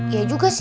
iya juga sih